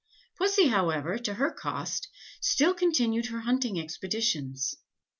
Pussy, however, to her cost, still continued her hunting expeditions.